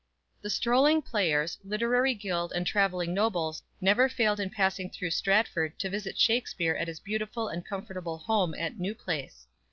_ The strolling players, literary guild and traveling nobles never failed in passing through Stratford to visit Shakspere at his beautiful and comfortable home at "New Place."